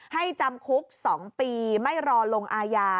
จำคุก๒ปีไม่รอลงอาญา